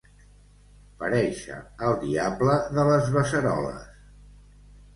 Parèixer el diable de les beceroles.